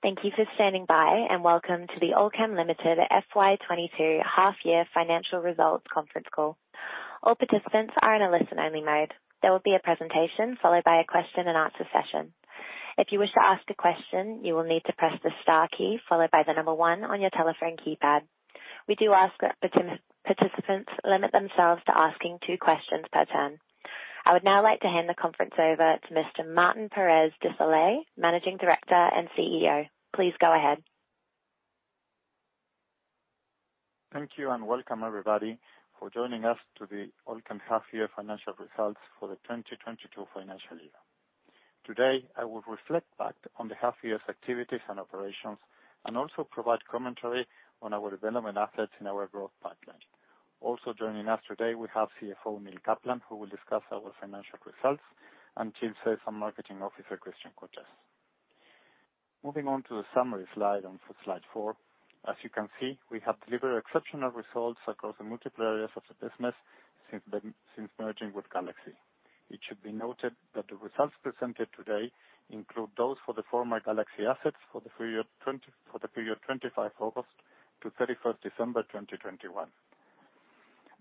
Thank you for standing by, and welcome to the Allkem Limited FY 2022 half-year financial results conference call. All participants are in a listen-only mode. There will be a presentation followed by a question and answer session. If you wish to ask a question, you will need to press the star key followed by the number 1 on your telephone keypad. We do ask that participants limit themselves to asking two questions per turn. I would now like to hand the conference over to Mr. Martín Pérez de Solay, Managing Director and CEO. Please go ahead. Thank you and welcome, everybody, for joining us to the Allkem half-year financial results for the 2022 financial year. Today, I will reflect back on the half year's activities and operations, and also provide commentary on our development assets in our growth pipeline. Also joining us today we have CFO Neil Kaplan, who will discuss our financial results, and Chief Sales and Marketing Officer, Christian Cortes. Moving on to the summary slide on slide four. As you can see, we have delivered exceptional results across the multiple areas of the business since merging with Galaxy. It should be noted that the results presented today include those for the former Galaxy assets for the period 25 August to 31 December, 2021.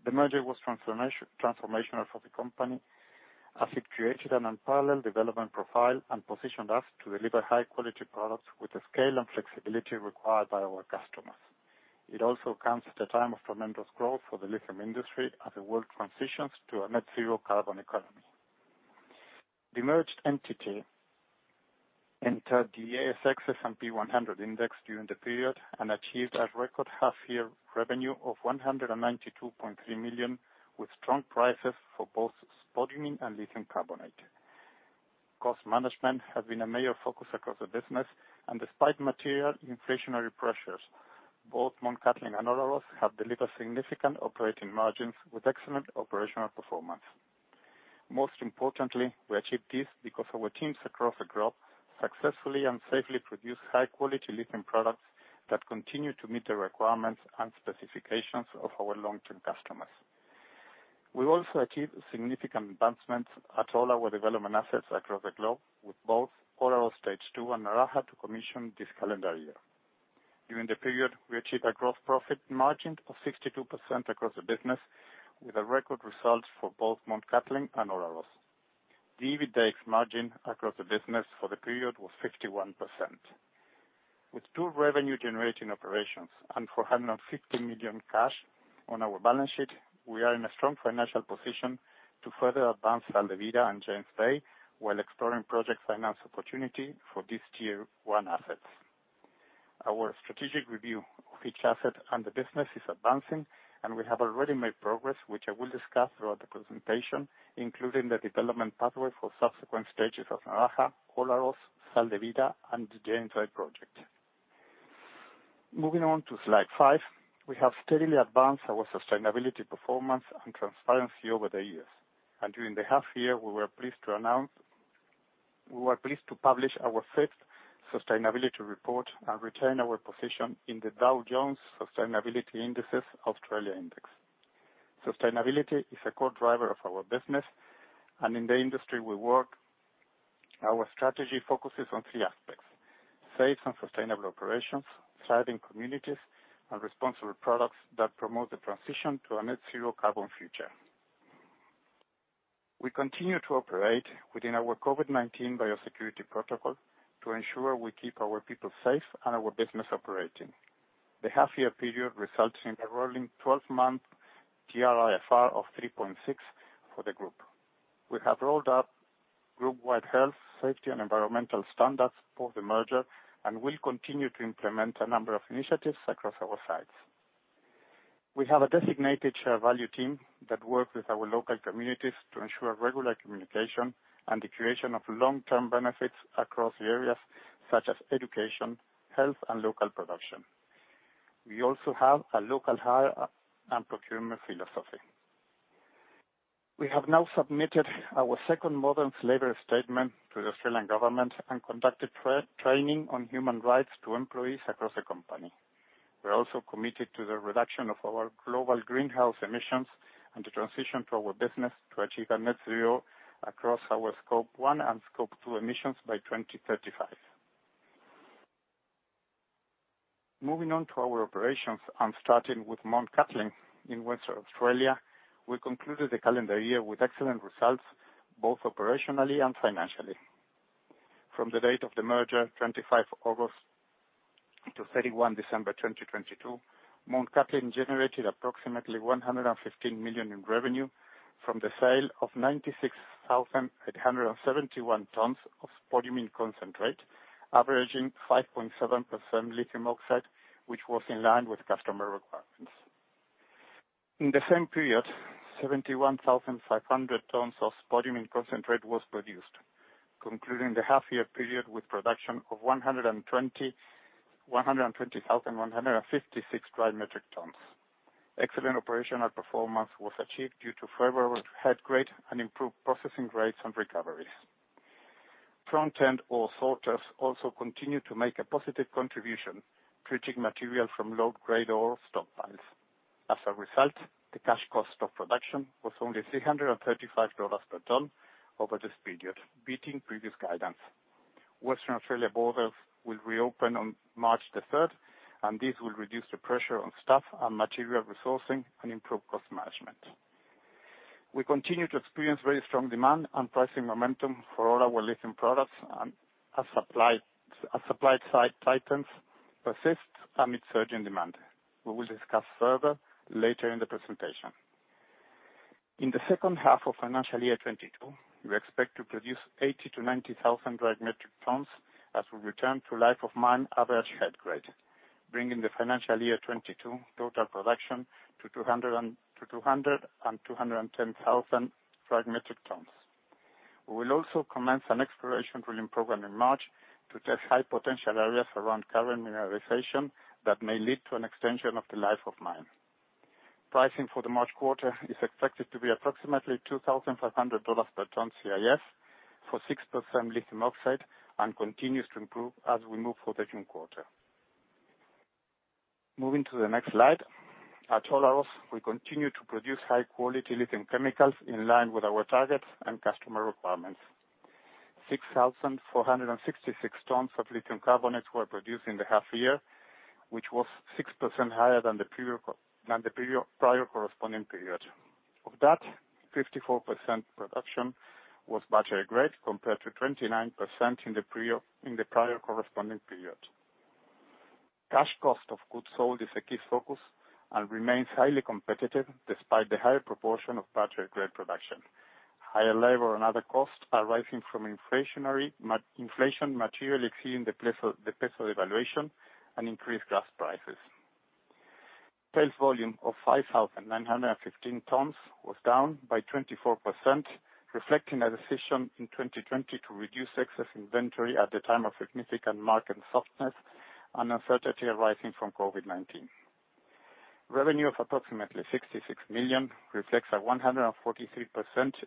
The merger was transformational for the company as it created an unparalleled development profile and positioned us to deliver high quality products with the scale and flexibility required by our customers. It also comes at a time of tremendous growth for the lithium industry as the world transitions to a net zero carbon economy. The merged entity entered the S&P/ASX 100 index during the period and achieved a record half year revenue of 192.3 million, with strong prices for both spodumene and lithium carbonate. Cost management has been a major focus across the business, and despite material inflationary pressures, both Mt Cattlin and Olaroz have delivered significant operating margins with excellent operational performance. Most importantly, we achieved this because our teams across the globe successfully and safely produced high quality lithium products that continue to meet the requirements and specifications of our long-term customers. We also achieved significant advancements at all our development assets across the globe, with both Olaroz stage two and Naraha to commission this calendar year. During the period, we achieved a gross profit margin of 62% across the business, with a record result for both Mt Cattlin and Olaroz. The EBITDA margin across the business for the period was 51%. With two revenue generating operations and $450 million cash on our balance sheet, we are in a strong financial position to further advance Sal de Vida and James Bay, while exploring project finance opportunity for these tier one assets. Our strategic review of each asset and the business is advancing, and we have already made progress, which I will discuss throughout the presentation, including the development pathway for subsequent stages of Naraha, Olaroz, Sal de Vida and the James Bay project. Moving on to slide 5. We have steadily advanced our sustainability performance and transparency over the years. During the half year, we were pleased to publish our fifth sustainability report and retain our position in the Dow Jones Sustainability Indices Australia Index. Sustainability is a core driver of our business, and in the industry we work, our strategy focuses on three aspects: safe and sustainable operations, thriving communities, and responsible products that promote the transition to a net zero carbon future. We continue to operate within our COVID-19 biosecurity protocol to ensure we keep our people safe and our business operating. The half year period resulted in a rolling twelve-month TRIFR of 3.6 for the group. We have rolled out group wide health, safety and environmental standards for the merger, and will continue to implement a number of initiatives across our sites. We have a designated share value team that works with our local communities to ensure regular communication and the creation of long-term benefits across areas such as education, health and local production. We also have a local hire and procurement philosophy. We have now submitted our second modern slavery statement to the Australian government and conducted training on human rights to employees across the company. We are also committed to the reduction of our global greenhouse emissions and the transition to our business to achieve a net zero across our scope one and scope two emissions by 2035. Moving on to our operations and starting with Mt Cattlin in Western Australia, we concluded the calendar year with excellent results both operationally and financially. From the date of the merger, 25 August to 31 December 2022, Mt Cattlin generated approximately $115 million in revenue from the sale of 96,871 tons of spodumene concentrate, averaging 5.7% lithium oxide, which was in line with customer requirements. In the same period, 71,500 tons of spodumene concentrate was produced, concluding the half year period with production of 120,156 dry metric tons. Excellent operational performance was achieved due to favorable head grade and improved processing rates and recoveries. Front-end ore sorters also continued to make a positive contribution, treating material from low grade ore stockpiles. As a result, the cash cost of production was only $335 per ton over this period, beating previous guidance. Western Australia borders will reopen on March the 3rd, and this will reduce the pressure on staff and material resourcing and improve cost management. We continue to experience very strong demand and pricing momentum for all our lithium products and as supply-side tightening persists amid surging demand. We will discuss further later in the presentation. In the second half of financial year 2022, we expect to produce 80,000-90,000 dried metric tons as we return to life of mine average head grade, bringing the financial year 2022 total production to 200-210 thousand dried metric tons. We will also commence an exploration drilling program in March to test high potential areas around current mineralization that may lead to an extension of the life of mine. Pricing for the March quarter is expected to be approximately $2,500 per ton CIF for 6% lithium oxide and continues to improve as we move forward to the June quarter. Moving to the next slide. At Olaroz, we continue to produce high-quality lithium chemicals in line with our targets and customer requirements. 6,466 tons of lithium carbonate were produced in the half year, which was 6% higher than the prior corresponding period. Of that, 54% production was battery-grade compared to 29% in the prior corresponding period. Cash cost of goods sold is a key focus and remains highly competitive despite the higher proportion of battery-grade production. Higher labor and other costs arising from inflation materially exceeding the peso devaluation and increased gas prices. Sales volume of 5,915 tons was down by 24%, reflecting a decision in 2020 to reduce excess inventory at the time of significant market softness and uncertainty arising from COVID-19. Revenue of approximately $66 million reflects a 143%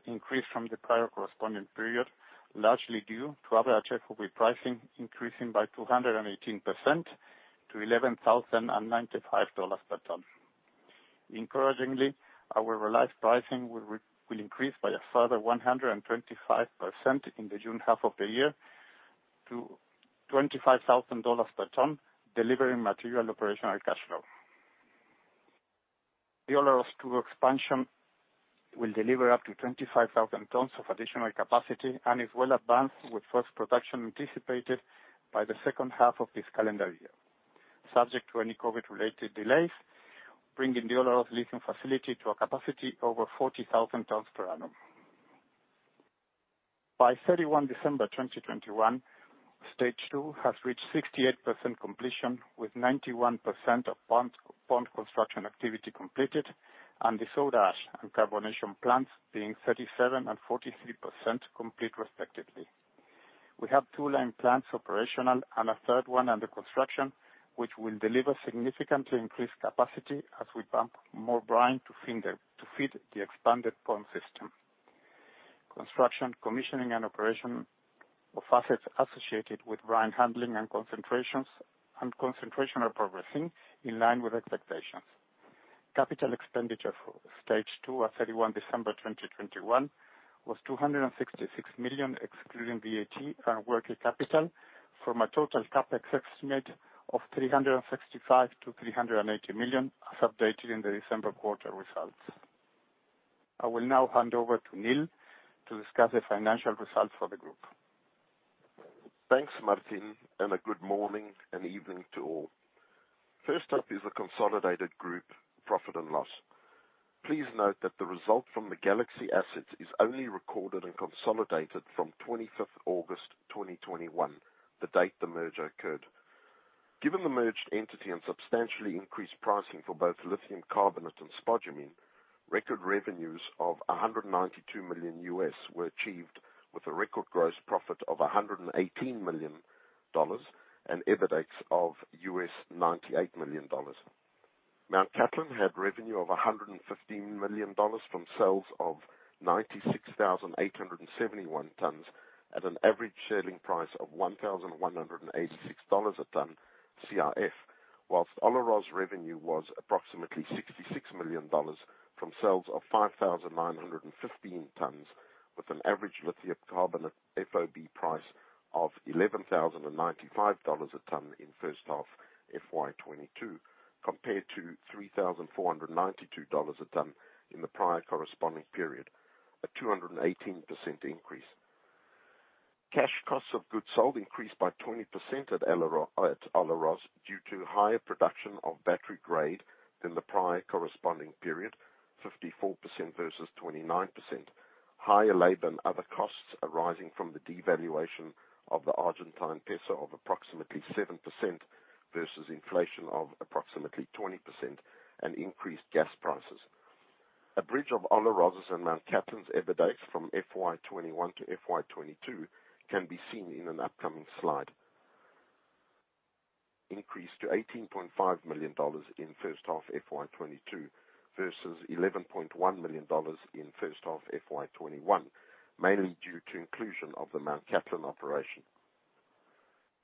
increase from the prior corresponding period, largely due to average FOB pricing increasing by 218% to $11,095 per ton. Encouragingly, our realized pricing will increase by a further 125% in the June half of the year to $25,000 per ton, delivering material operational cash flow. The Olaroz two expansion will deliver up to 25,000 tons of additional capacity and is well advanced with first production anticipated by the second half of this calendar year, subject to any COVID-related delays, bringing the Olaroz lithium facility to a capacity over 40,000 tons per annum. By 31 December 2021, stage two has reached 68% completion with 91% of pond construction activity completed and the soda ash and carbonation plants being 37% and 43% complete respectively. We have two lime plants operational and a third one under construction, which will deliver significantly increased capacity as we pump more brine to feed the expanded pond system. Construction, commissioning and operation of assets associated with brine handling and concentrations, and concentration are progressing in line with expectations. Capital expenditure for stage two at 31 December 2021 was 266 million, excluding VAT and working capital from a total CapEx estimate of $365 million-$380 million, as updated in the December quarter results. I will now hand over to Neil to discuss the financial results for the group. Thanks, Martin, and a good morning and evening to all. First up is a consolidated group profit and loss. Please note that the result from the Galaxy assets is only recorded and consolidated from 25 August 2021, the date the merger occurred. Given the merged entity and substantially increased pricing for both lithium carbonate and spodumene, record revenues of $192 million were achieved with a record gross profit of $118 million and EBITDAX of $98 million. Mt Cattlin had revenue of $115 million from sales of 96,871 tons at an average selling price of $1,186 a ton CIF, while Olaroz revenue was approximately $66 million from sales of 5,915 tons with an average lithium carbonate FOB price of $11,095 a ton in first half FY 2022, compared to $3,492 a ton in the prior corresponding period, a 218% increase. Cash costs of goods sold increased by 20% at Olaroz due to higher production of battery-grade than the prior corresponding period, 54% versus 29%. Higher labor and other costs arising from the devaluation of the Argentine peso of approximately 7% versus inflation of approximately 20% and increased gas prices. A bridge of Olaroz's and Mt Cattlin's EBITDAX from FY 2021 to FY 2022 can be seen in an upcoming slide. Increase to $18.5 million in first half FY 2022 versus $11.1 million in first half FY 2021, mainly due to inclusion of the Mt Cattlin operation.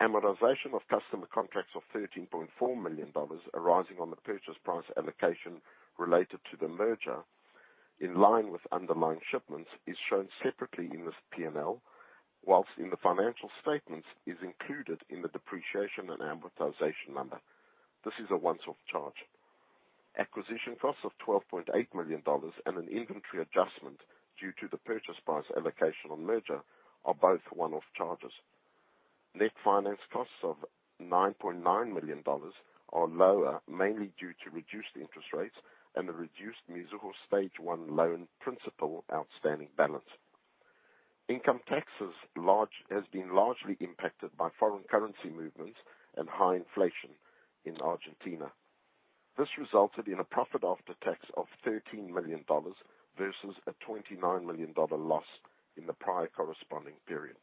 Amortization of customer contracts of $13.4 million arising on the purchase price allocation related to the merger in line with underlying shipments is shown separately in this P&L, while in the financial statements is included in the depreciation and amortization number. This is a one-off charge. Acquisition costs of $12.8 million and an inventory adjustment due to the purchase price allocation on merger are both one-off charges. Net finance costs of $9.9 million are lower, mainly due to reduced interest rates and the reduced Mizuho stage one loan principal outstanding balance. Income taxes has been largely impacted by foreign currency movements and high inflation in Argentina. This resulted in a profit after tax of $13 million versus a $29 million loss in the prior corresponding period.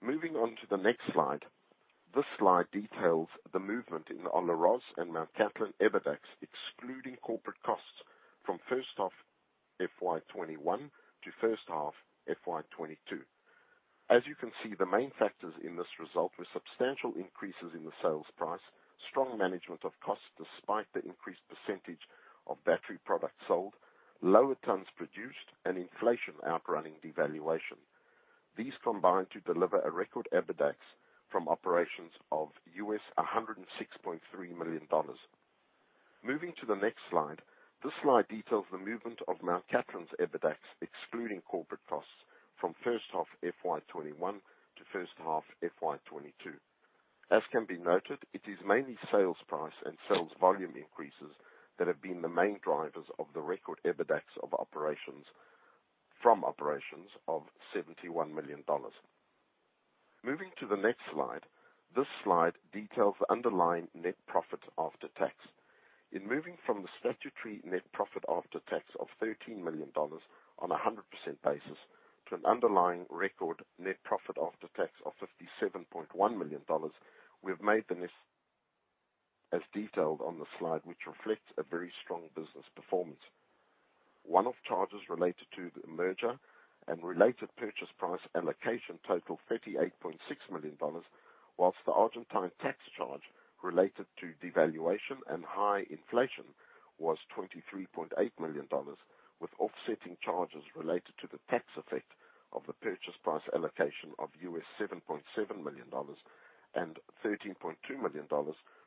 Moving on to the next slide. This slide details the movement in the Olaroz and Mt Cattlin EBITDA, excluding corporate costs from first half FY 2021 to first half FY 2022. As you can see, the main factors in this result were substantial increases in the sales price, strong management of costs despite the increased percentage of battery products sold, lower tons produced and inflation outrunning devaluation. These combined to deliver a record EBITDA from operations of $106.3 million. Moving to the next slide. This slide details the movement of Mt Cattlin's EBITDA excluding corporate costs from first half FY 2021 to first half FY 2022. As can be noted, it is mainly sales price and sales volume increases that have been the main drivers of the record EBITDA from operations of $71 million. Moving to the next slide. This slide details the underlying net profit after tax. In moving from the statutory net profit after tax of $13 million on a 100% basis to an underlying record net profit after tax of $57.1 million, we have made the adjustments as detailed on the slide, which reflects a very strong business performance. One-off charges related to the merger and related purchase price allocation total $38.6 million, while the Argentine tax charge related to devaluation and high inflation was $23.8 million, with offsetting charges related to the tax effect of the purchase price allocation of $7.7 million and $13.2 million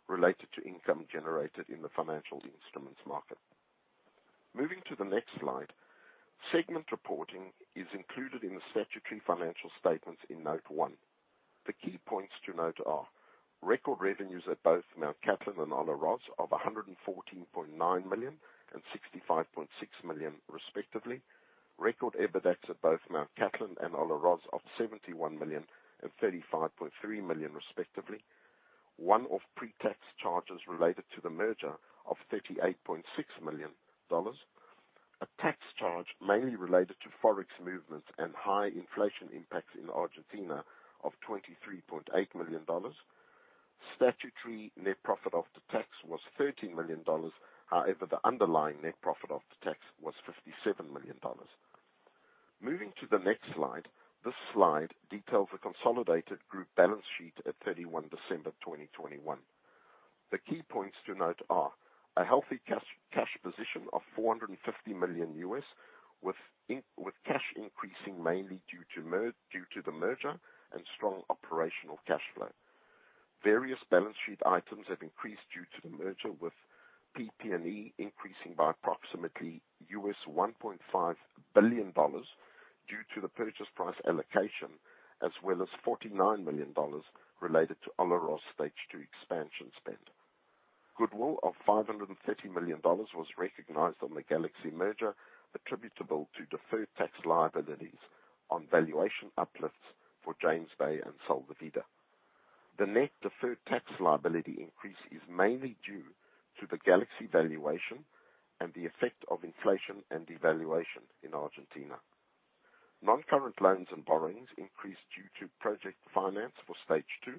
related to income generated in the financial instruments market. Moving to the next slide. Segment reporting is included in the statutory financial statements in note 1. The key points to note are record revenues at both Mt Cattlin and Olaroz of $114.9 million and $65.6 million, respectively. Record EBITDA at both Mt Cattlin and Olaroz of $71 million and $35.3 million, respectively. One-off pre-tax charges related to the merger of $38.6 million. A tax charge mainly related to forex movements and high inflation impacts in Argentina of $23.8 million. Statutory net profit after tax was $13 million. However, the underlying net profit after tax was $57 million. Moving to the next slide. This slide details the consolidated group balance sheet at 31 December 2021. The key points to note are a healthy cash position of $450 million with cash increasing mainly due to the merger and strong operational cash flow. Various balance sheet items have increased due to the merger, with PP&E increasing by approximately $1.5 billion due to the purchase price allocation as well as $49 million related to Olaroz stage two expansion spend. Goodwill of $530 million was recognized on the Galaxy merger, attributable to deferred tax liabilities on valuation uplifts for James Bay and Sal de Vida. The net deferred tax liability increase is mainly due to the Galaxy valuation and the effect of inflation and devaluation in Argentina. Non-current loans and borrowings increased due to project finance for stage two,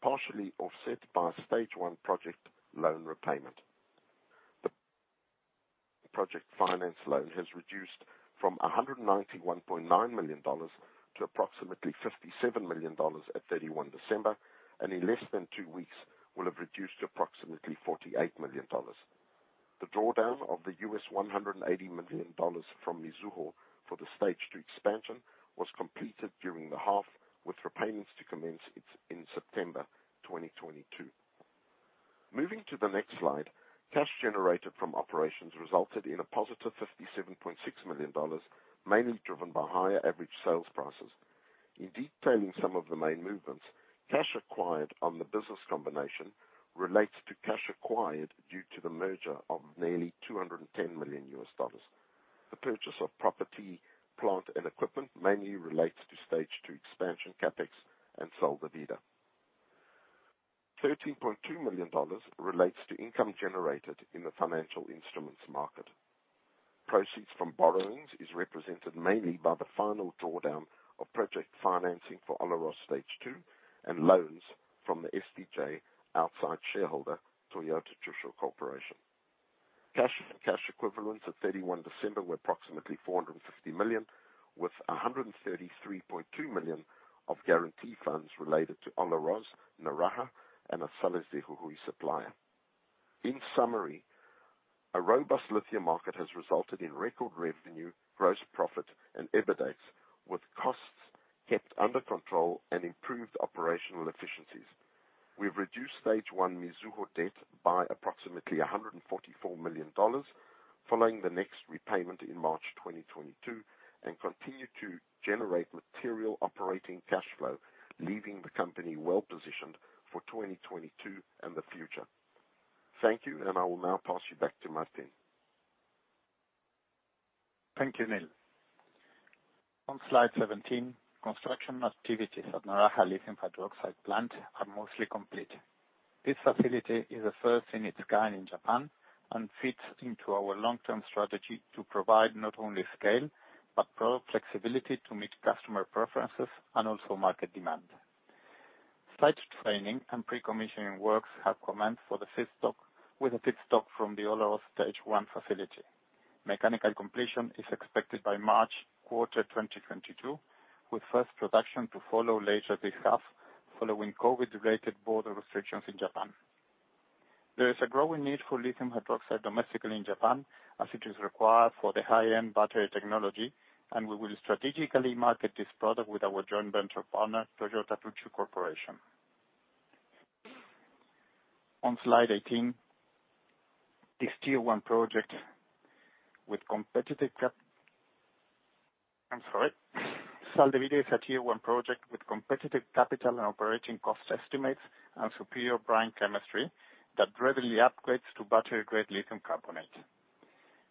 partially offset by stage one project loan repayment. The project finance loan has reduced from $191.9 million to approximately $57 million at 31 December, and in less than two weeks will have reduced to approximately $48 million. The drawdown of the $180 million from Mizuho for the stage two expansion was completed during the half, with repayments to commence in September 2022. Moving to the next slide. Cash generated from operations resulted in a positive $57.6 million, mainly driven by higher average sales prices. In detailing some of the main movements, cash acquired on the business combination relates to cash acquired due to the merger of nearly $210 million. The purchase of property, plant and equipment mainly relates to stage two expansion CapEx and Sal de Vida. $13.2 million relates to income generated in the financial instruments market. Proceeds from borrowings is represented mainly by the final drawdown of project financing for Olaroz stage two and loan from the SDJ outside shareholder, Toyota Tsusho Corporation. Cash and cash equivalents at 31 December were approximately $50 million, with $133.2 million of guarantee funds related to Olaroz, Naraha, and Sal de Vida supplier. In summary, a robust lithium market has resulted in record revenue, gross profit and EBITDA, with costs kept under control and improved operational efficiencies. We've reduced stage one Mizuho debt by approximately $144 million following the recent repayment in March 2022 and continue to generate material operating cash flow, leaving the company well positioned for 2022 and the future. Thank you, and I will now pass you back to Martin. Thank you, Neil. On slide 17, construction activities at Naraha lithium hydroxide plant are mostly complete. This facility is the first of its kind in Japan and fits into our long-term strategy to provide not only scale but product flexibility to meet customer preferences and also market demand. Site training and pre-commissioning works have commenced for the feedstock, with a feedstock from the Olaroz stage 1 facility. Mechanical completion is expected by March quarter 2022, with first production to follow later this half following COVID-related border restrictions in Japan. There is a growing need for lithium hydroxide domestically in Japan as it is required for the high-end battery technology, and we will strategically market this product with our joint venture partner, Toyota Tsusho Corporation. On slide 18, this tier 1 project with competitive CapEx. I'm sorry. Sal de Vida is a tier one project with competitive capital and operating cost estimates and superior brine chemistry that readily upgrades to battery grade lithium carbonate.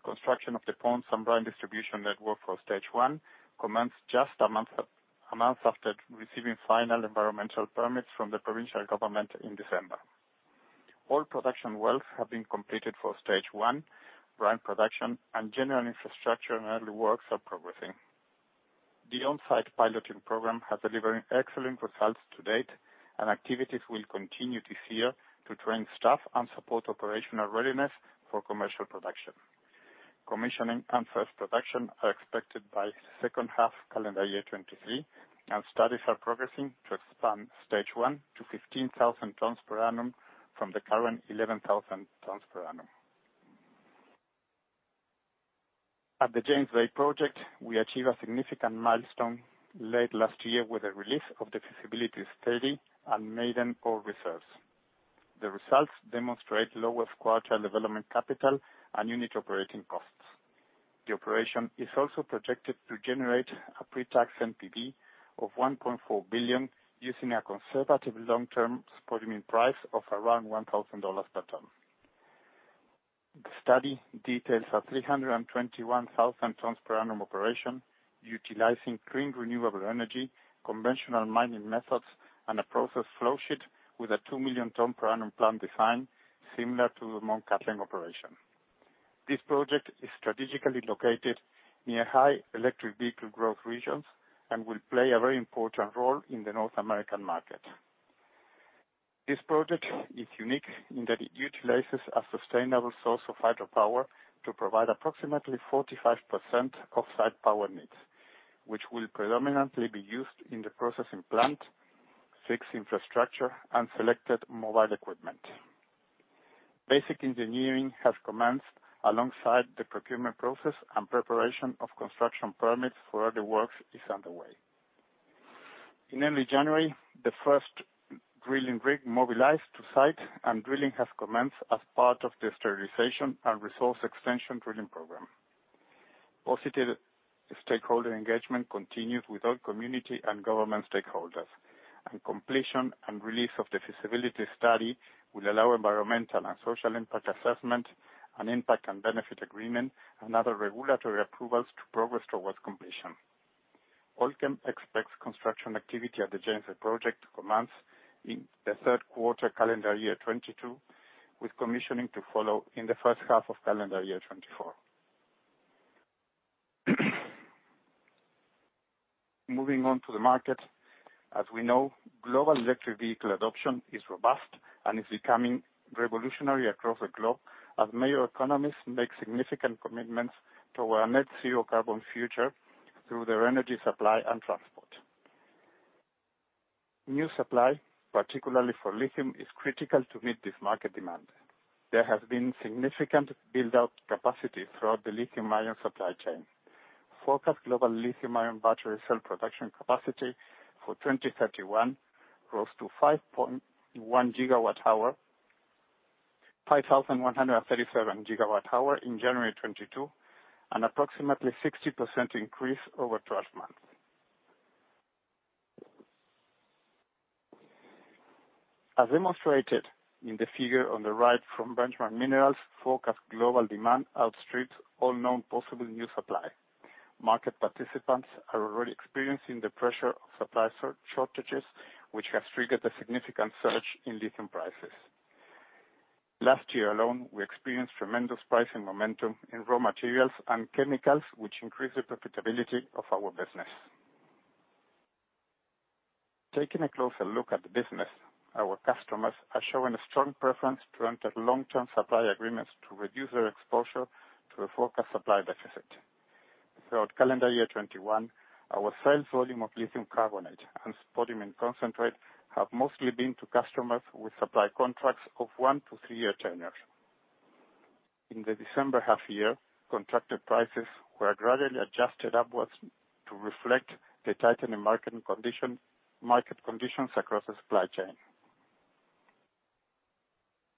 Construction of the ponds and brine distribution network for stage one commenced just a month after receiving final environmental permits from the provincial government in December. All production wells have been completed for stage one, brine production and general infrastructure and early works are progressing. The on-site piloting program has delivered excellent results to date, and activities will continue this year to train staff and support operational readiness for commercial production. Commissioning and first production are expected by second half calendar year 2023, and studies are progressing to expand stage one to 15,000 tons per annum from the current 11,000 tons per annum. At the James Bay project, we achieved a significant milestone late last year with the release of the feasibility study and maiden ore reserves. The results demonstrate lower quarter development capital and unit operating costs. The operation is also projected to generate a pre-tax NPV of $1.4 billion using a conservative long term spodumene price of around $1,000 per ton. The study details a 321,000 tons per annum operation utilizing clean, renewable energy, conventional mining methods, and a process flow sheet with a 2 million tons per annum plant design similar to the Mt Cattlin operation. This project is strategically located near high electric vehicle growth regions and will play a very important role in the North American market. This project is unique in that it utilizes a sustainable source of hydropower to provide approximately 45% off-site power needs, which will predominantly be used in the processing plant, fixed infrastructure and selected mobile equipment. Basic engineering has commenced alongside the procurement process and preparation of construction permits for other works is underway. In early January, the first drilling rig mobilized to site and drilling has commenced as part of the sterilization and resource extension drilling program. Positive stakeholder engagement continues with all community and government stakeholders. Completion and release of the feasibility study will allow environmental and social impact assessment and impact and benefit agreement and other regulatory approvals to progress towards completion. Allkem expects construction activity at the James Bay project to commence in the third quarter calendar year 2022, with commissioning to follow in the first half of calendar year 2024. Moving on to the market, as we know, global electric vehicle adoption is robust and is becoming revolutionary across the globe as major economies make significant commitments toward a net zero carbon future through their energy supply and transport. New supply, particularly for lithium, is critical to meet this market demand. There has been significant build out capacity throughout the lithium-ion supply chain. Forecast global lithium-ion battery cell production capacity for 2031 rose to 5.1 terawatt-hours, 5,137 gigawatt-hours in January 2022, an approximately 60% increase over 12 months. As demonstrated in the figure on the right from Benchmark Minerals, forecast global demand outstrips all known possible new supply. Market participants are already experiencing the pressure of supply shortages, which has triggered a significant surge in lithium prices. Last year alone, we experienced tremendous pricing momentum in raw materials and chemicals, which increased the profitability of our business. Taking a closer look at the business, our customers are showing a strong preference to enter long-term supply agreements to reduce their exposure to a forecast supply deficit. Throughout calendar year 2021, our sales volume of lithium carbonate and spodumene concentrate have mostly been to customers with supply contracts of 1- to 3-year tenures. In the December half year, contracted prices were gradually adjusted upwards to reflect the tightening market condition, market conditions across the supply chain.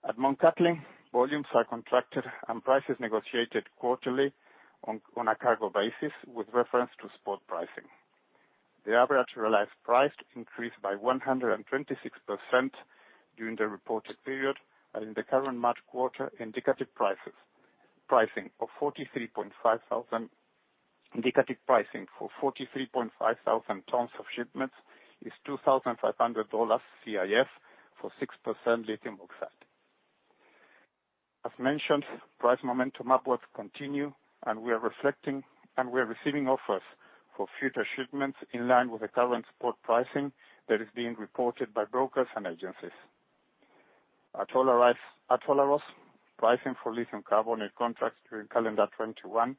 At Mt. Cattlin, volumes are contracted and prices negotiated quarterly on a cargo basis with reference to spot pricing. The average realized price increased by 126% during the reported period, and in the current March quarter, indicative pricing for 43,500 tons of shipments is $2,500 CIF for 6% lithium oxide. As mentioned, price momentum upwards continue, and we are receiving offers for future shipments in line with the current spot pricing that is being reported by brokers and agencies. At Olaroz, pricing for lithium carbonate contracts during calendar 2021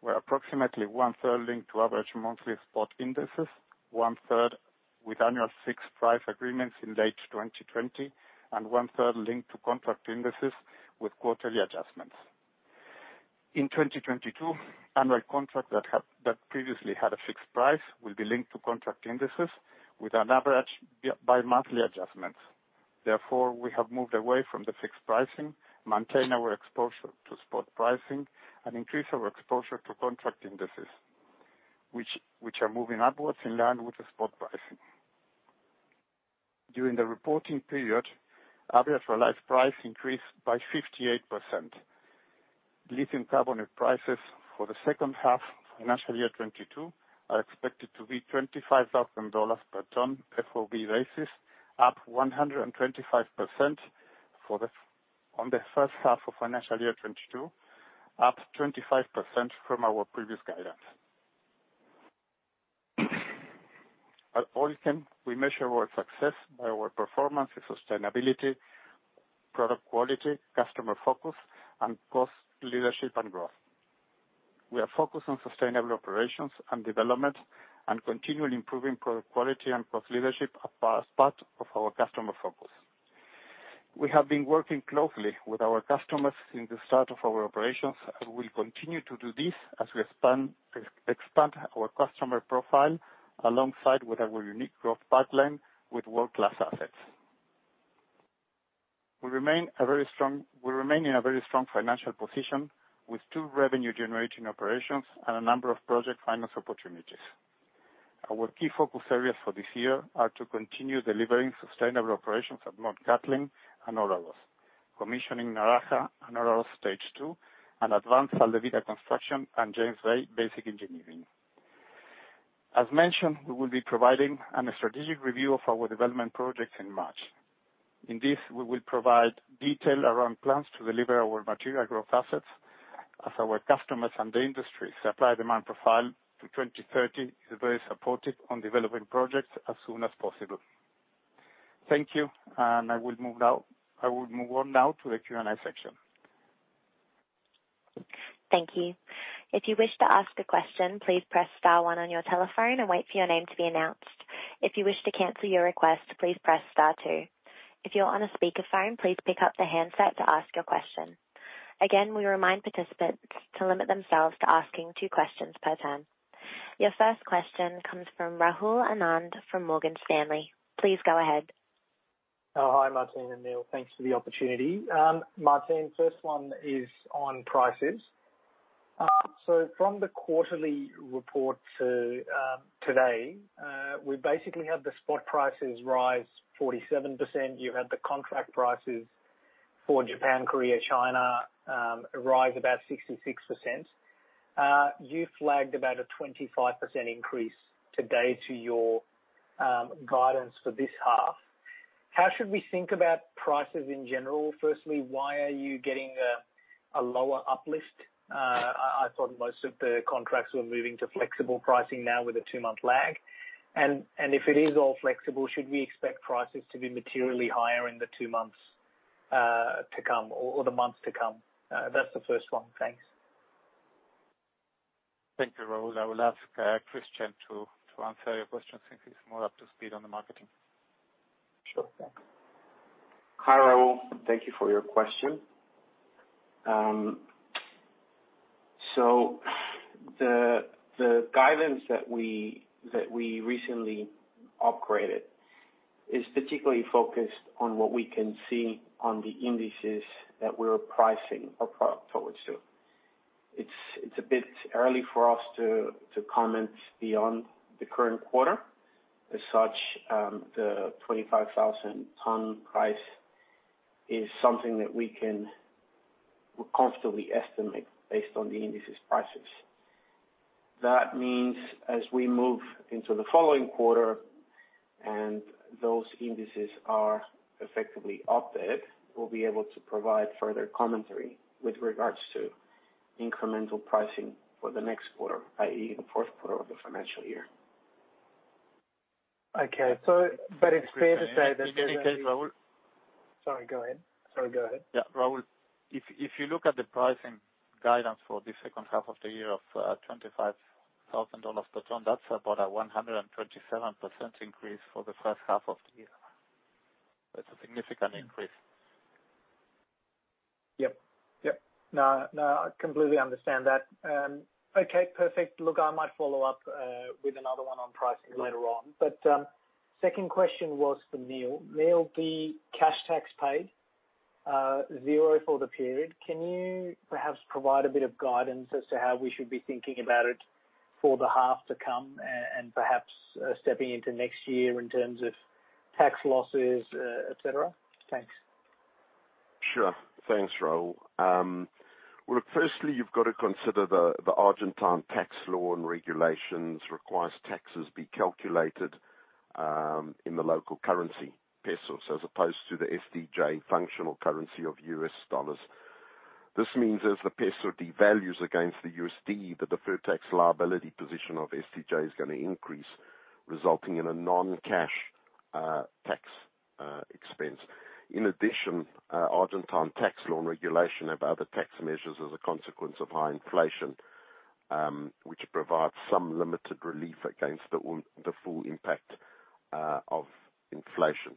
were approximately one-third linked to average monthly spot indices, one-third with annual fixed price agreements in late 2022, and one-third linked to contract indices with quarterly adjustments. In 2022, annual contract that previously had a fixed price will be linked to contract indices with an average bi-monthly adjustments. Therefore, we have moved away from the fixed pricing, maintain our exposure to spot pricing, and increase our exposure to contract indices, which are moving upwards in line with the spot pricing. During the reporting period, average realized price increased by 58%. Lithium carbonate prices for the second half FY 2022 are expected to be $25,000 per ton FOB basis, up 125% on the first half of FY 2022, up 25% from our previous guidance. At Orocobre, we measure our success by our performance and sustainability, product quality, customer focus, and cost leadership and growth. We are focused on sustainable operations and development and continually improving product quality and cost leadership as part of our customer focus. We have been working closely with our customers since the start of our operations, and we'll continue to do this as we expand our customer profile alongside with our unique growth pipeline with world-class assets. We remain in a very strong financial position with two revenue-generating operations and a number of project finance opportunities. Our key focus areas for this year are to continue delivering sustainable operations at Mt Cattlin and Olaroz, commissioning Naraha and Olaroz stage two, and advance Sal de Vida construction and James Bay basic engineering. As mentioned, we will be providing a strategic review of our development projects in March. In this, we will provide detail around plans to deliver our material growth assets as our customers and the industry supply demand profile to 2030 is very supportive on developing projects as soon as possible. Thank you. I will move on now to the Q&A section. Thank you. If you wish to ask a question, please press star 1 on your telephone and wait for your name to be announced. If you wish to cancel your request, please press star 2. If you're on a speakerphone, please pick up the handset to ask your question. Again, we remind participants to limit themselves to asking two questions per turn. Your first question comes from Rahul Anand from Morgan Stanley. Please go ahead. Oh, hi, Martín and Neil. Thanks for the opportunity. Martín, first one is on prices. From the quarterly report to today, we basically had the spot prices rise 47%. You had the contract prices for Japan, Korea, China, rise about 66%. You flagged about a 25% increase today to your guidance for this half. How should we think about prices in general? Firstly, why are you getting a lower uplift? I thought most of the contracts were moving to flexible pricing now with a two-month lag. If it is all flexible, should we expect prices to be materially higher in the two months to come or the months to come? That's the first one. Thanks. Thank you, Rahul. I will ask Christian to answer your question since he's more up to speed on the marketing. Sure. Thanks. Hi, Rahul. Thank you for your question. The guidance that we recently upgraded is particularly focused on what we can see on the indices that we're pricing our product towards. It's a bit early for us to comment beyond the current quarter. As such, the 25,000 ton price is something that we can comfortably estimate based on the indices prices. That means as we move into the following quarter and those indices are effectively updated, we'll be able to provide further commentary with regards to incremental pricing for the next quarter, i.e., the fourth quarter of the financial year. It's fair to say that. In case, Rahul. Sorry, go ahead. Yeah, Rahul, if you look at the pricing guidance for the second half of the year of $25,000 per ton, that's about a 127% increase for the first half of the year. That's a significant increase. Yep. No, I completely understand that. Okay, perfect. Look, I might follow up with another one on pricing later on. Second question was for Neil. Neil, the cash tax paid $0 for the period. Can you perhaps provide a bit of guidance as to how we should be thinking about it for the half to come and perhaps stepping into next year in terms of tax losses, et cetera? Thanks. Sure. Thanks, Rahul. Well, firstly, you've got to consider the Argentine tax law and regulations requires taxes be calculated in the local currency pesos, as opposed to the SDJ functional currency of U.S. dollars. This means as the peso devalues against the USD, that the full tax liability position of SDJ is gonna increase, resulting in a non-cash tax expense. In addition, Argentine tax law and regulation have other tax measures as a consequence of high inflation, which provides some limited relief against the full impact of inflation.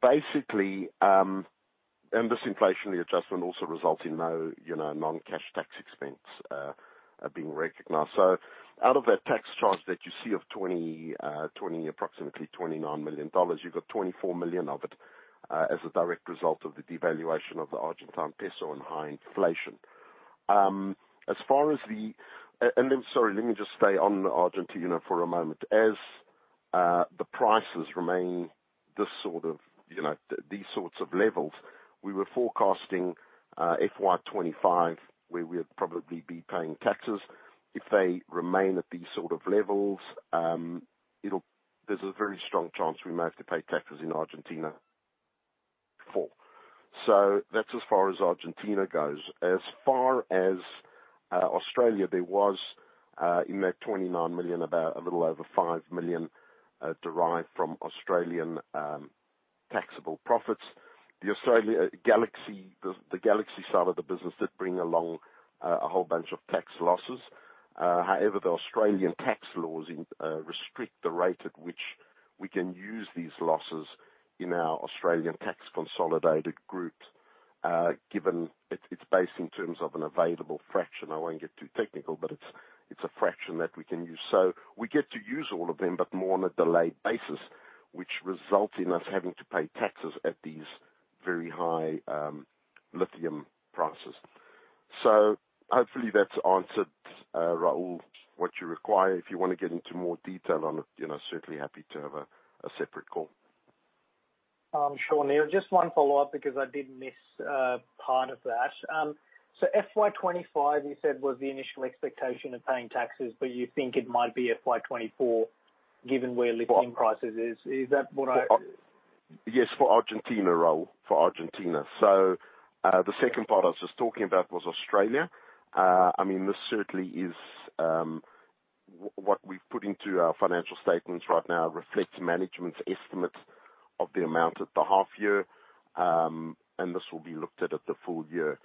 Basically, this inflationary adjustment also results in you know, non-cash tax expense being recognized. Out of that tax charge that you see of approximately $29 million, you've got $24 million of it as a direct result of the devaluation of the Argentine peso and high inflation. Let me just stay on Argentina for a moment. As the prices remain this sort of, you know, these sorts of levels, we were forecasting FY 2025, where we'd probably be paying taxes. If they remain at these sort of levels, there's a very strong chance we may have to pay taxes in 2024. That's as far as Argentina goes. As far as Australia, there was in that $29 million, about a little over $5 million derived from Australian taxable profits. The Australian Galaxy side of the business did bring along a whole bunch of tax losses. However, the Australian tax laws restrict the rate at which we can use these losses in our Australian tax consolidated groups, given it's based in terms of an available fraction. I won't get too technical, but it's a fraction that we can use. We get to use all of them, but more on a delayed basis, which results in us having to pay taxes at these very high lithium prices. Hopefully that's answered, Rahul, what you require. If you wanna get into more detail on it, you know, certainly happy to have a separate call. Sure, Neil. Just one follow-up, because I did miss part of that. FY 2025, you said was the initial expectation of paying taxes, but you think it might be FY 2024, given where lithium prices is. Is that what I. Yes, for Argentina, Rahul. For Argentina. The second part I was just talking about was Australia. I mean, this certainly is what we've put into our financial statements right now reflect management's estimates of the amount at the half year. This will be looked at at the full year,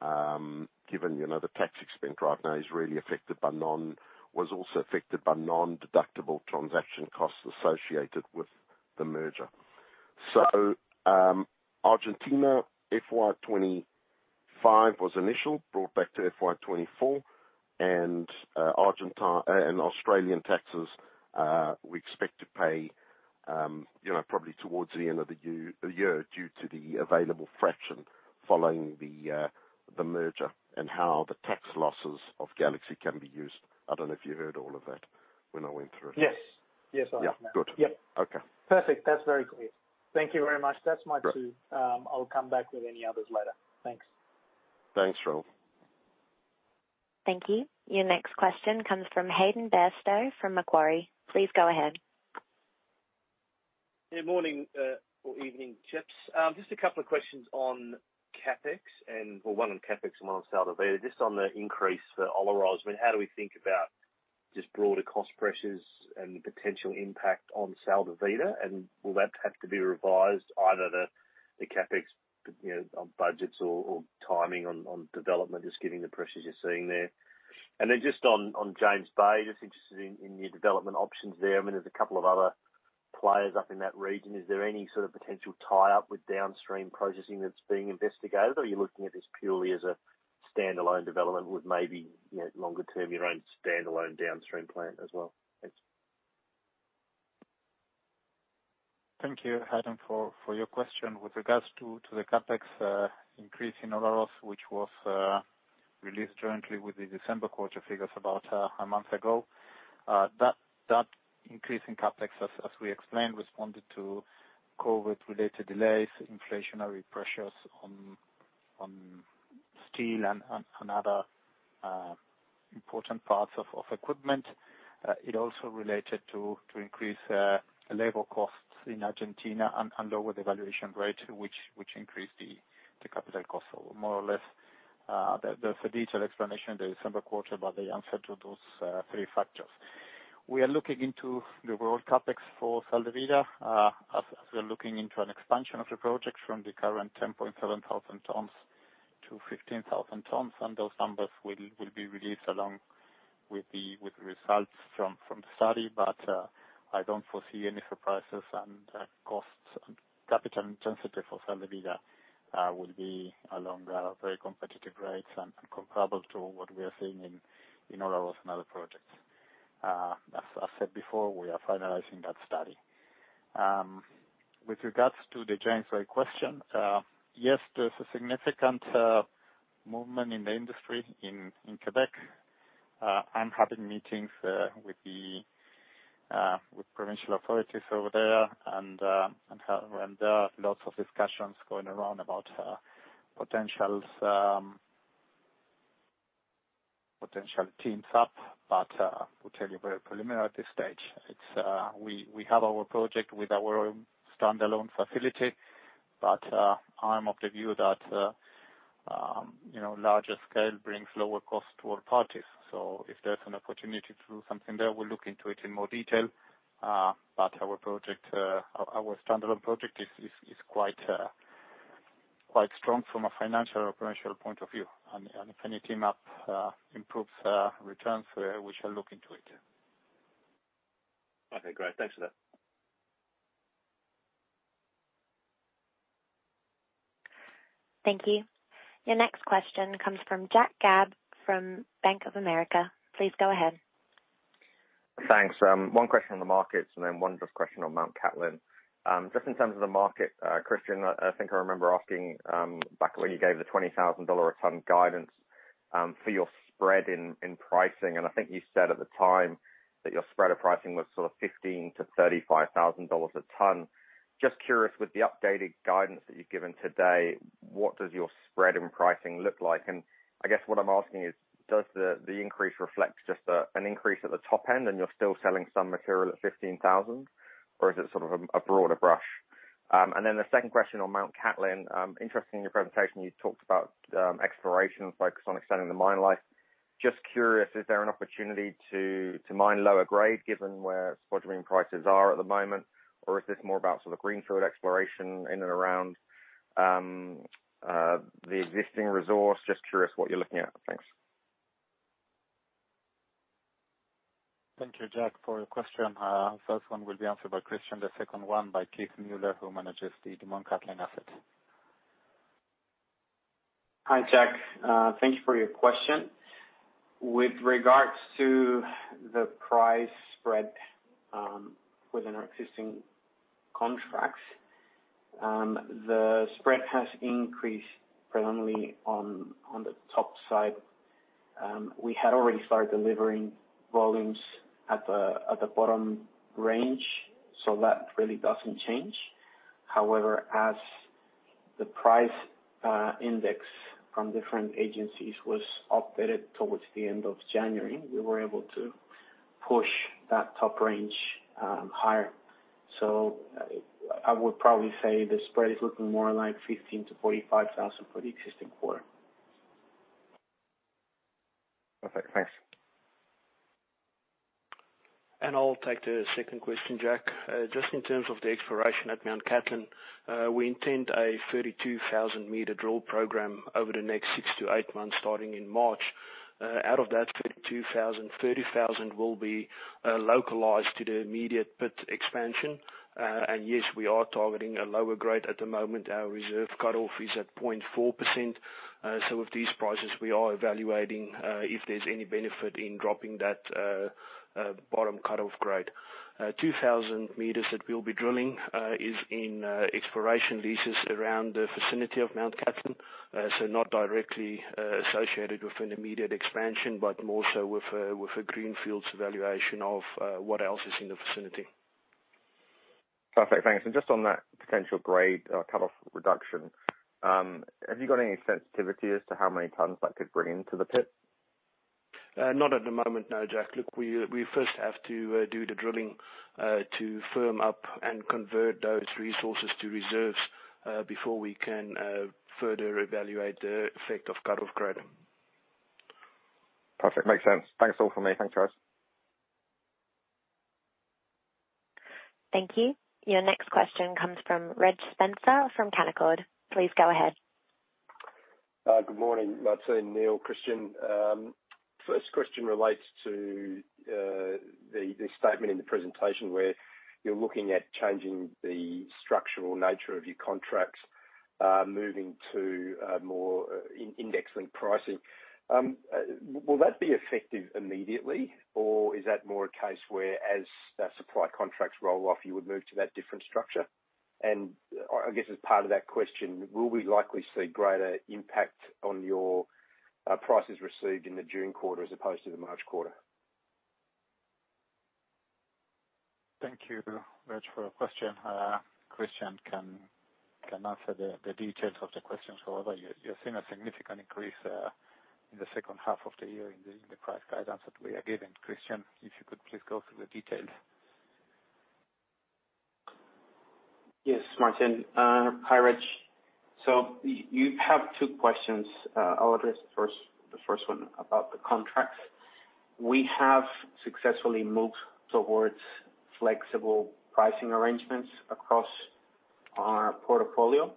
given you know the tax expense right now is really affected by non-deductible transaction costs associated with the merger. It was also affected by non-deductible transaction costs associated with the merger. Argentina FY 2025 was initial, brought back to FY 2024 and Argentina and Australian taxes we expect to pay you know probably towards the end of the year, due to the available franking following the merger and how the tax losses of Galaxy can be used. I don't know if you heard all of that when I went through it. Yes. Yes, I heard now. Yeah. Good. Yep. Okay. Perfect. That's very clear. Thank you very much. That's my two. Great. I'll come back with any others later. Thanks. Thanks, Rahul. Thank you. Your next question comes from Hayden Bairstow, from Macquarie. Please go ahead. Morning or evening, chaps. Just a couple of questions on CapEx. Well, one on CapEx and one on Sal de Vida. Just on the increase for Olaroz, I mean, how do we think about just broader cost pressures and the potential impact on Sal de Vida? Will that have to be revised, either the CapEx, you know, on budgets or timing on development, just given the pressures you're seeing there? Just on James Bay, just interested in your development options there. I mean, there's a couple of other players up in that region. Is there any sort of potential tie-up with downstream processing that's being investigated? Or you're looking at this purely as a standalone development with maybe, you know, longer term, your own standalone downstream plant as well? Thanks. Thank you, Hayden, for your question. With regards to the CapEx increase in Olaroz, which was released jointly with the December quarter figures about a month ago. increase in CapEx, as we explained, responded to COVID-19-related delays, inflationary pressures on steel and other important parts of equipment. It also related to increased labor costs in Argentina and lower valuation rate, which increased the capital cost. More or less, there's a detailed explanation in the December quarter about the answer to those three factors. We are looking into the overall CapEx for Sal de Vida, as we're looking into an expansion of the project from the current 10,700 tons to 15,000 tons, and those numbers will be released along with the results from the study. I don't foresee any surprises and costs. Capital intensity for Sal de Vida will be along the very competitive rates and comparable to what we are seeing in, you know, our other projects. As I said before, we are finalizing that study. With regards to the joint venture question, yes, there's a significant movement in the industry in Quebec. I'm having meetings with provincial authorities over there and there are lots of discussions going around about potential teams up, but I will tell you it's very preliminary at this stage. We have our project with our own standalone facility, but I'm of the view that, you know, larger scale brings lower cost to all parties. If there's an opportunity to do something there, we'll look into it in more detail. Our standalone project is quite strong from a financial operational point of view. If any team up improves returns, we shall look into it. Okay, great. Thanks for that. Thank you. Your next question comes from Jack Gabb from Bank of America. Please go ahead. Thanks. One question on the markets and then one just question on Mt. Cattlin. Just in terms of the market, Christian, I think I remember asking back when you gave the $20,000 a ton guidance for your spread in pricing, and I think you said at the time that your spread of pricing was sort of $15,000-$35,000 a ton. Just curious, with the updated guidance that you've given today, what does your spread in pricing look like? And I guess what I'm asking is, does the increase reflect just an increase at the top end and you're still selling some material at $15,000, or is it sort of a broader brush? The second question on Mt. Cattlin, interesting in your presentation, you talked about exploration focused on extending the mine life. Just curious, is there an opportunity to mine lower grade given where spodumene prices are at the moment? Or is this more about sort of greenfield exploration in and around the existing resource? Just curious what you're looking at. Thanks. Thank you, Jack, for your question. First one will be answered by Christian, the second one by Keith Muller, who manages the Mt Cattlin asset. Hi, Jack. Thank you for your question. With regards to the price spread, within our existing contracts, the spread has increased predominantly on the top side. We had already started delivering volumes at the bottom range, so that really doesn't change. However, as the price index from different agencies was updated towards the end of January, we were able to push that top range higher. I would probably say the spread is looking more like $15,000-$45,000 for the existing quarter. Perfect. Thanks. I'll take the second question, Jack. Just in terms of the exploration at Mt. Cattlin, we intend a 32,000-meter drill program over the next 6-8 months, starting in March. Out of that 32,000, 30,000 will be localized to the immediate pit expansion. Yes, we are targeting a lower grade. At the moment, our reserve cut-off is at 0.4%. With these prices, we are evaluating if there's any benefit in dropping that bottom cut-off grade. 2,000 meters that we'll be drilling is in exploration leases around the vicinity of Mt. Cattlin. Not directly associated with an immediate expansion, but more so with a greenfields evaluation of what else is in the vicinity. Perfect. Thanks. Just on that potential grade cut-off reduction, have you got any sensitivity as to how many tons that could bring into the pit? Not at the moment, no, Jack. Look, we first have to do the drilling to firm up and convert those resources to reserves before we can further evaluate the effect of cut-off grade. Perfect. Makes sense. Thanks all for me. Thanks, guys. Thank you. Your next question comes from Reg Spencer from Canaccord. Please go ahead. Good morning, Martin, Neil, Christian. First question relates to the statement in the presentation where you're looking at changing the structural nature of your contracts, moving to more index-linked pricing. Will that be effective immediately, or is that more a case where as the supply contracts roll off, you would move to that different structure? I guess as part of that question, will we likely see greater impact on your prices received in the June quarter as opposed to the March quarter. Thank you, Reg, for your question. Christian can answer the details of the question. However, you're seeing a significant increase in the second half of the year in the price guidance that we are giving. Christian, if you could please go through the details. Yes, Martin. Hi, Reg. You have two questions. I'll address first the first one about the contracts. We have successfully moved towards flexible pricing arrangements across our portfolio.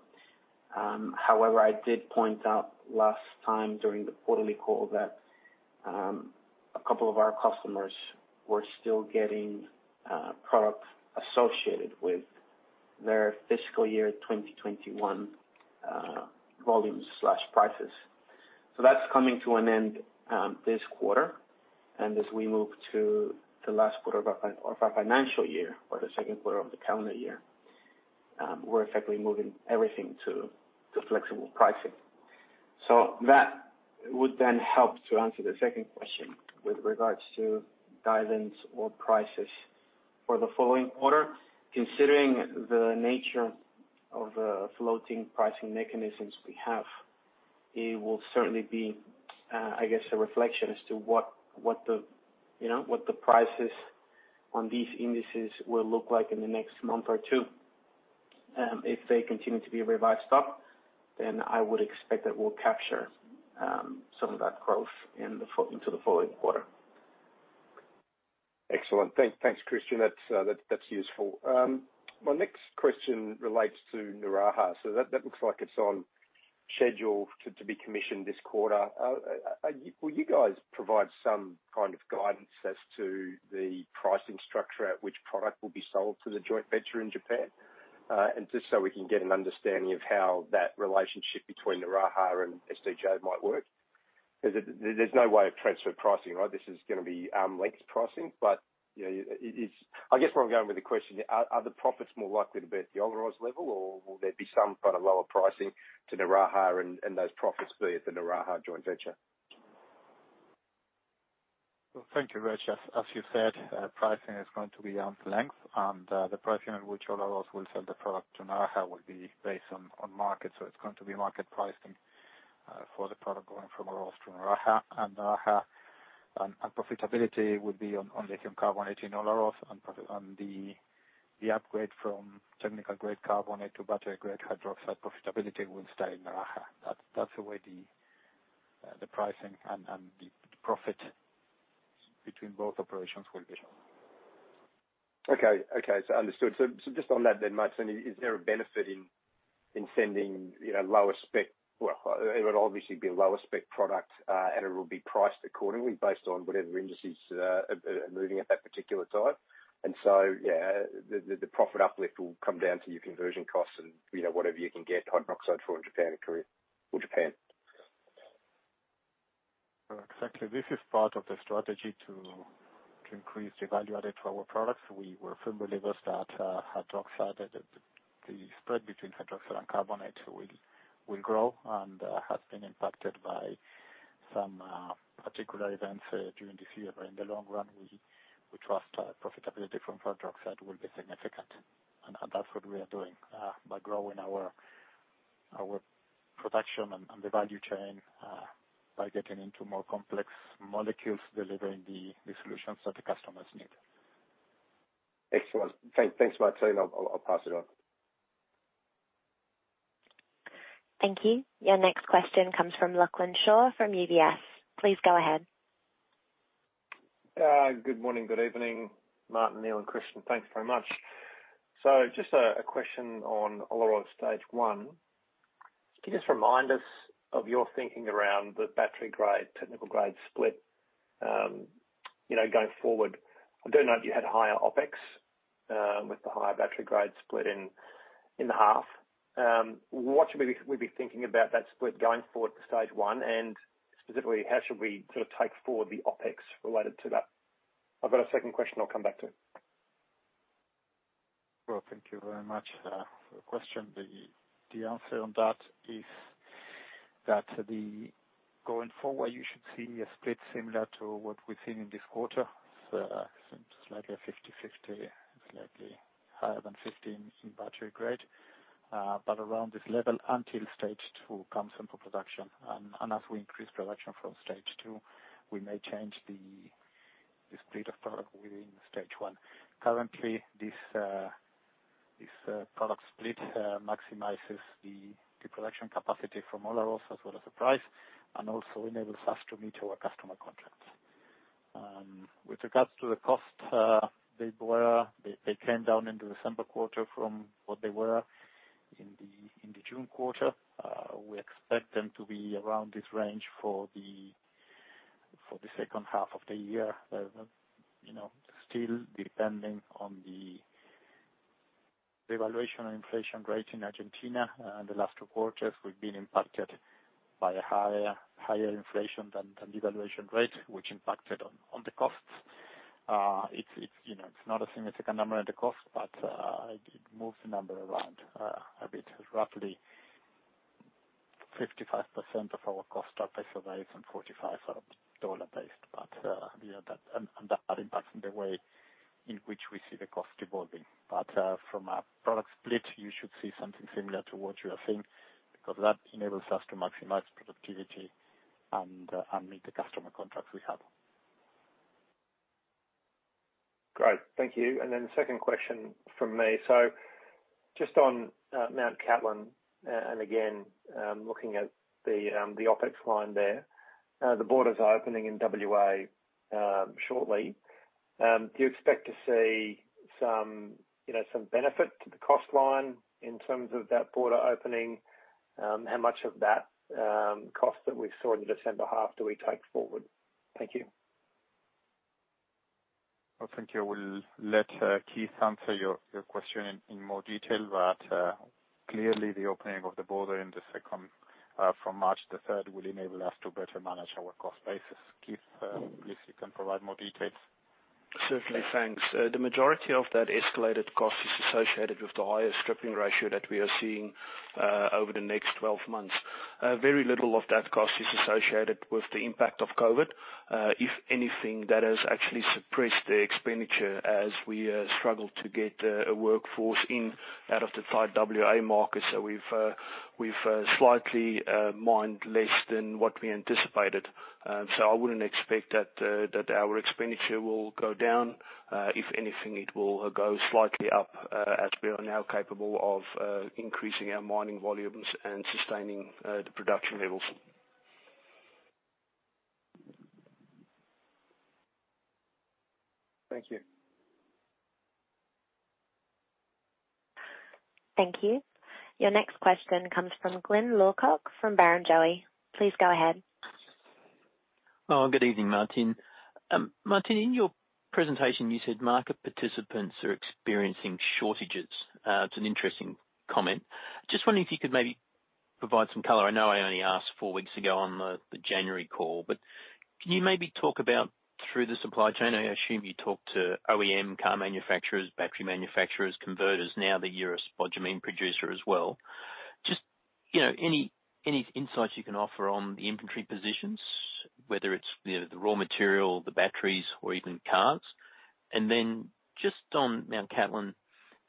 However, I did point out last time during the quarterly call that a couple of our customers were still getting products associated with their fiscal year 2021 volumes/prices. That's coming to an end this quarter. As we move to the last quarter of our financial year or the second quarter of the calendar year, we're effectively moving everything to flexible pricing. That would then help to answer the second question with regards to guidance or prices for the following quarter. Considering the nature of the floating pricing mechanisms we have, it will certainly be a reflection as to what the prices on these indices will look like in the next month or two. If they continue to be revised up, then I would expect that we'll capture some of that growth into the following quarter. Excellent. Thanks, Christian. That's useful. My next question relates to Naraha. That looks like it's on schedule to be commissioned this quarter. Will you guys provide some kind of guidance as to the pricing structure at which product will be sold to the joint venture in Japan? Just so we can get an understanding of how that relationship between Naraha and SDJ might work. There's no way of transfer pricing, right? This is gonna be arm's length pricing, but you know, it is. I guess where I'm going with the question, are the profits more likely to be at the Olaroz level, or will there be some kind of lower pricing to Naraha and those profits be at the Naraha joint venture? Well, thank you, Reg. As you said, pricing is going to be arm's length, and the pricing at which Olaroz will sell the product to Naraha will be based on market. It's going to be market pricing for the product going from Olaroz to Naraha. Naraha profitability would be on lithium carbonate in Olaroz and on the upgrade from technical-grade carbonate to battery-grade hydroxide profitability will stay in Naraha. That's the way the pricing and the profit between both operations will be. Okay. Understood. Just on that then, Martin, is there a benefit in sending, you know, lower spec. Well, it would obviously be a lower spec product, and it will be priced accordingly based on whatever indices are moving at that particular time. Yeah, the profit uplift will come down to your conversion costs and, you know, whatever you can get hydroxide for in Japan and Korea, or Japan. Exactly. This is part of the strategy to increase the value added to our products. We were firm believers that hydroxide that the spread between hydroxide and carbonate will grow and has been impacted by some particular events during this year. In the long run, we trust profitability from hydroxide will be significant. That's what we are doing by growing our production and the value chain by getting into more complex molecules, delivering the solutions that the customers need. Excellent. Thanks, Martin. I'll pass it on. Thank you. Your next question comes from Lachlan Shaw from UBS. Please go ahead. Good morning, good evening, Martin, Neil, and Christian. Thanks very much. Just a question on Olaroz stage one. Can you just remind us of your thinking around the battery-grade, technical-grade split, you know, going forward? I do know that you had higher OpEx with the higher battery-grade split in half. What should we be thinking about that split going forward for stage one? And specifically, how should we sort of take forward the OpEx related to that? I've got a second question I'll come back to. Well, thank you very much for the question. The answer on that is going forward, you should see a split similar to what we've seen in this quarter. It seems slightly a 50/50, slightly higher than 50 in battery grade, but around this level until stage two comes into production. As we increase production from stage two, we may change the split of product within stage one. Currently, this product split maximizes the production capacity from Olaroz as well as the price, and also enables us to meet our customer contracts. With regards to the cost, they came down into December quarter from what they were in the June quarter. We expect them to be around this range for the second half of the year. You know, still depending on the devaluation and inflation rate in Argentina. In the last two quarters, we've been impacted by a higher inflation than the devaluation rate, which impacted on the costs. It's, you know, it's not a significant number in the cost, but it moves the number around a bit. Roughly 55% of our cost are peso-based and 45% are dollar-based. Yeah, that and that impacts in the way in which we see the cost evolving. From a product split, you should see something similar to what you are seeing, because that enables us to maximize productivity and meet the customer contracts we have. Great. Thank you. Second question from me. Just on Mt Cattlin, and again, looking at the OpEx line there. The borders are opening in WA shortly. Do you expect to see some, you know, some benefit to the cost line in terms of that border opening? How much of that cost that we saw in the December half do we take forward? Thank you. Well, thank you. I will let Keith answer your question in more detail, but clearly the opening of the border in the second from March the third will enable us to better manage our cost basis. Keith, if you can provide more details. Certainly. Thanks. The majority of that escalated cost is associated with the higher stripping ratio that we are seeing over the next 12 months. Very little of that cost is associated with the impact of COVID. If anything, that has actually suppressed the expenditure as we struggle to get a workforce in and out of the tight WA market. So we've slightly mined less than what we anticipated. So I wouldn't expect that our expenditure will go down. If anything, it will go slightly up as we are now capable of increasing our mining volumes and sustaining the production levels. Thank you. Thank you. Your next question comes from Glyn Lawcock from Barrenjoey. Please go ahead. Oh, good evening, Martin. Martin, in your presentation you said market participants are experiencing shortages. It's an interesting comment. Just wondering if you could maybe provide some color. I know I only asked four weeks ago on the January call, but can you maybe talk about through the supply chain? I assume you talk to OEM car manufacturers, battery manufacturers, converters, now that you're a spodumene producer as well. Just, you know, any insights you can offer on the inventory positions, whether it's, you know, the raw material, the batteries or even cars. Then just on Mt Cattlin,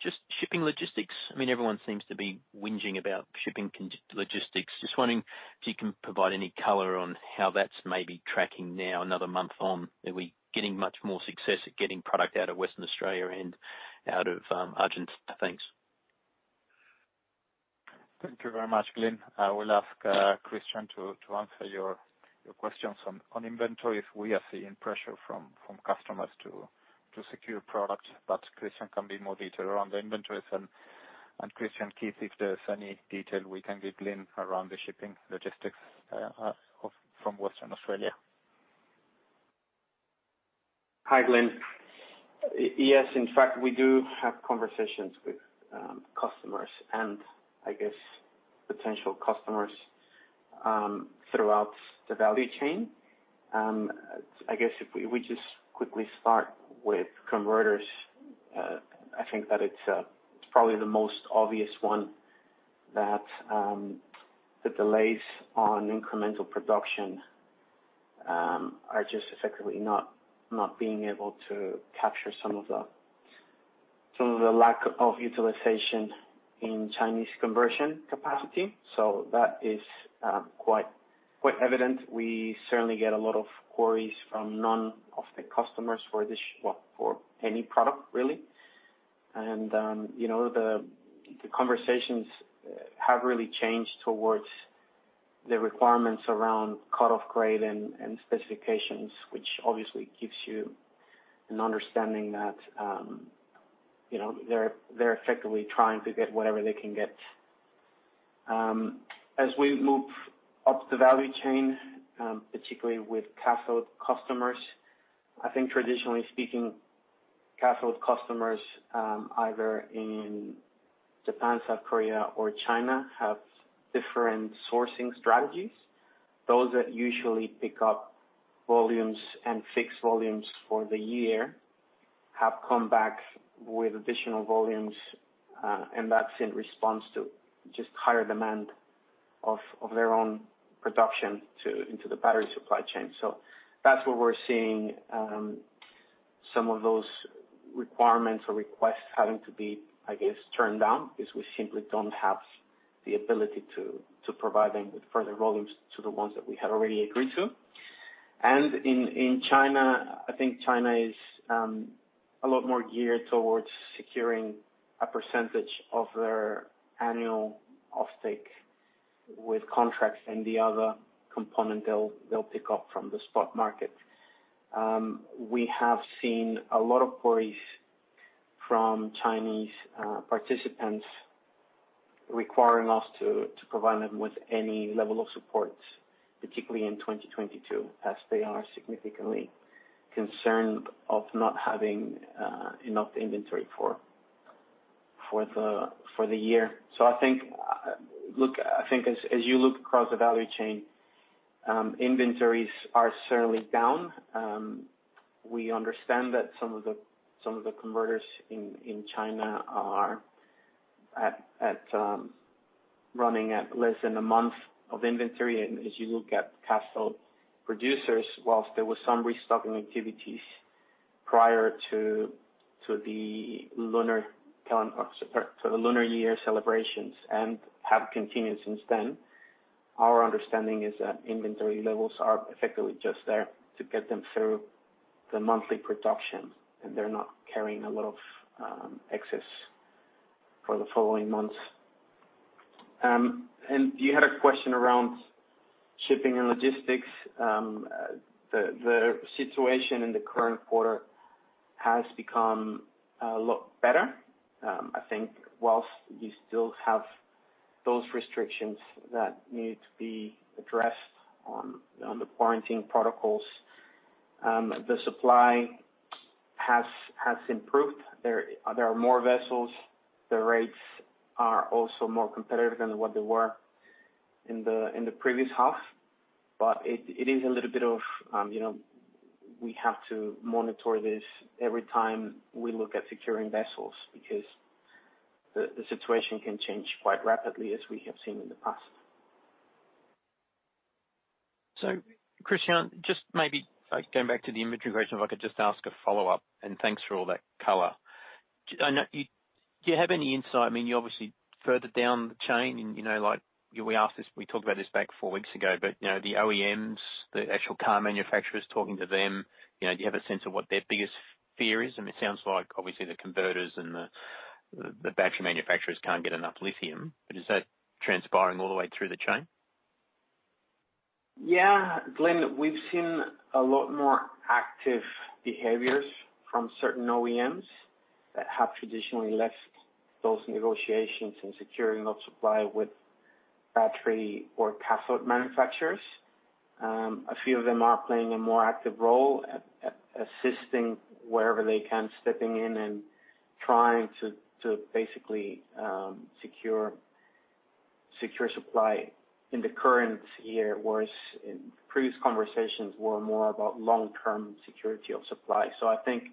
just shipping logistics. I mean, everyone seems to be whinging about shipping logistics. Just wondering if you can provide any color on how that's maybe tracking now another month on, are we getting much more success at getting product out of Western Australia and out of Argentina? Thanks. Thank you very much, Glyn. I will ask Christian to answer your questions on inventory, if we are seeing pressure from customers to secure product. Christian can be more detailed around the inventories and Christian, Keith, if there's any detail we can give Glyn around the shipping logistics from Western Australia. Hi, Glyn. Yes, in fact, we do have conversations with customers and I guess potential customers throughout the value chain. I guess we just quickly start with converters. I think that it's probably the most obvious one that the delays on incremental production are just effectively not being able to capture some of the lack of utilization in Chinese conversion capacity. So that is quite evident. We certainly get a lot of queries from non-Chinese customers for this, well, for any product really. You know, the conversations have really changed towards the requirements around cut-off grade and specifications, which obviously gives you an understanding that you know, they're effectively trying to get whatever they can get. As we move up the value chain, particularly with cathode customers, I think traditionally speaking, cathode customers either in Japan, South Korea or China have different sourcing strategies. Those that usually pick up volumes and fixed volumes for the year have come back with additional volumes, and that's in response to just higher demand of their own production into the battery supply chain. That's where we're seeing some of those requirements or requests having to be, I guess, turned down because we simply don't have the ability to provide them with further volumes to the ones that we had already agreed to. In China, I think China is a lot more geared towards securing a percentage of their annual offtake with contracts and the other component they'll pick up from the spot market. We have seen a lot of queries from Chinese participants requiring us to provide them with any level of support, particularly in 2022, as they are significantly concerned of not having enough inventory for the year. I think, look, I think as you look across the value chain, inventories are certainly down. We understand that some of the converters in China are running at less than a month of inventory. As you look at cathode producers, while there was some restocking activities prior to the lunar year celebrations and have continued since then, our understanding is that inventory levels are effectively just there to get them through the monthly production, and they're not carrying a lot of excess for the following months. You had a question around shipping and logistics. The situation in the current quarter has become a lot better. I think while you still have those restrictions that need to be addressed on the quarantine protocols, the supply has improved. There are more vessels. The rates are also more competitive than what they were in the previous half. It is a little bit of, you know, we have to monitor this every time we look at securing vessels because the situation can change quite rapidly, as we have seen in the past. Christian, just maybe going back to the inventory question, if I could just ask a follow-up, and thanks for all that color. Do you have any insight? I mean, you're obviously further down the chain and, you know, like we asked this, we talked about this back four weeks ago, but, you know, the OEMs, the actual car manufacturers talking to them, you know, do you have a sense of what their biggest fear is? I mean, it sounds like obviously the converters and the battery manufacturers can't get enough lithium, but is that transpiring all the way through the chain? Yeah. Glyn, we've seen a lot more active behaviors from certain OEMs that have traditionally left those negotiations in securing of supply with battery or cathode manufacturers. A few of them are playing a more active role at assisting wherever they can, stepping in and trying to basically secure supply in the current year, whereas in previous conversations were more about long-term security of supply. I think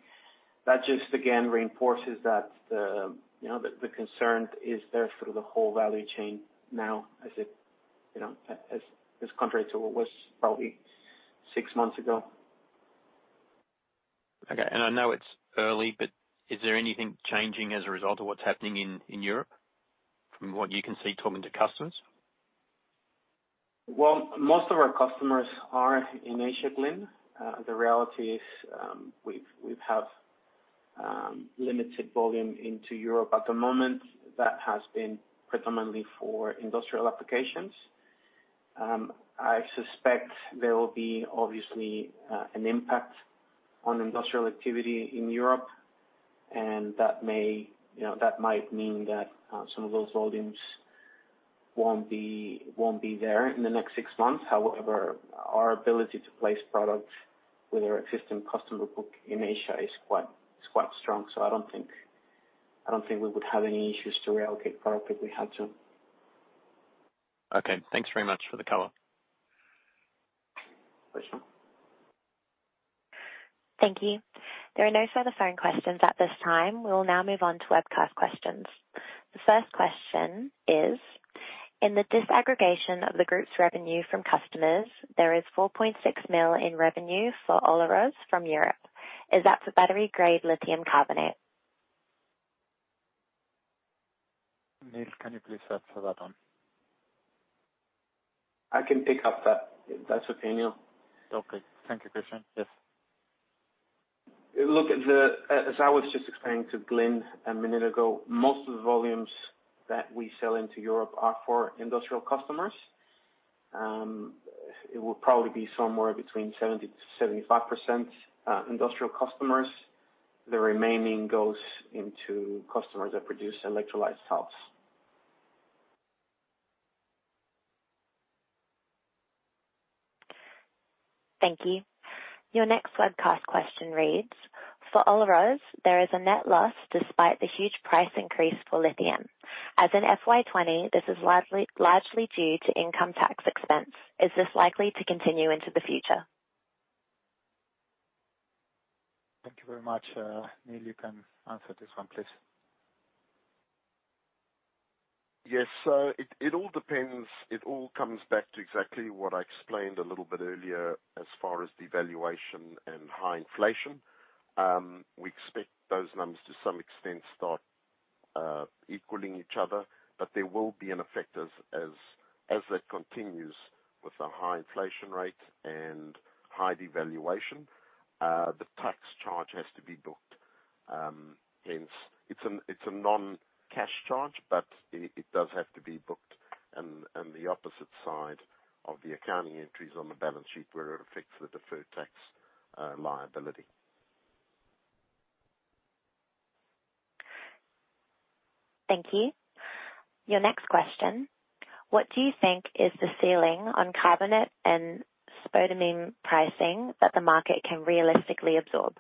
that just again reinforces that the concern is there through the whole value chain now as it as contrary to what was probably six months ago. Okay. I know it's early, but is there anything changing as a result of what's happening in Europe from what you can see talking to customers? Well, most of our customers are in Asia, Glyn. The reality is, we have limited volume into Europe at the moment that has been predominantly for industrial applications. I suspect there will be obviously an impact on industrial activity in Europe, and that may, you know, that might mean that some of those volumes won't be there in the next six months. However, our ability to place product with our existing customer book in Asia is quite strong. I don't think we would have any issues to reallocate product if we had to. Okay. Thanks very much for the color. Question. Thank you. There are no further phone questions at this time. We will now move on to webcast questions. The first question is: In the disaggregation of the group's revenue from customers, there is 4.6 million in revenue for Olaroz from Europe. Is that the battery-grade lithium carbonate? Neil, can you please answer that one? I can pick up that if that's okay, Neil. Okay. Thank you, Christian. Yes. Look, as I was just explaining to Glyn a minute ago, most of the volumes that we sell into Europe are for industrial customers. It will probably be somewhere between 70%-75% industrial customers. The remaining goes into customers that produce electrolyte salts. Thank you. Your next webcast question reads: For Olaroz, there is a net loss despite the huge price increase for lithium. As in FY 2020, this is largely due to income tax expense. Is this likely to continue into the future? Thank you very much. Neil, you can answer this one, please. Yes. It all depends. It all comes back to exactly what I explained a little bit earlier as far as devaluation and high inflation. We expect those numbers to some extent start equaling each other, but there will be an effect as that continues with the high inflation rate and high devaluation, the tax charge has to be booked. Hence it's a non-cash charge, but it does have to be booked and the opposite side of the accounting entries on the balance sheet where it affects the deferred tax liability. Thank you. Your next question, what do you think is the ceiling on carbonate and spodumene pricing that the market can realistically absorb?